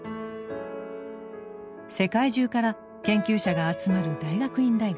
世界中から研究者が集まる大学院大学だ。